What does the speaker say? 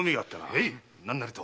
へい何なりと。